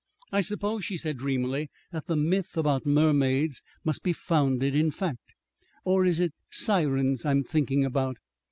"I suppose," she said dreamily, "that the myth about mermaids must be founded in fact. Or is it sirens I'm thinking about?